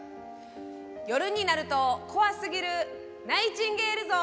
「夜になると怖すぎるナイチンゲール像」。